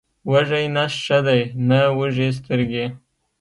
وږی نس ښه دی، نه وږې سترګې.